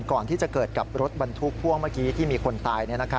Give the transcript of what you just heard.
ก่อนที่จะเกิดกับรถบรรทุกพ่วงเมื่อกี้ที่มีคนตาย